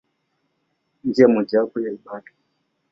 Njia mojawapo ya ibada.